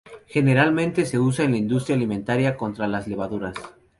Generalmente se usa en la industria alimentaria contra las levaduras.